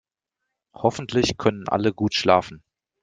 Hoffentlich können alle gut schlafen.